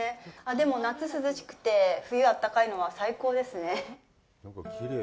でも、夏涼しくて、冬あったかいのは最高ですね。